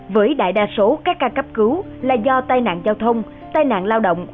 với đại đa số các ca cấp cứu là do tai nạn giao thông tai nạn lao động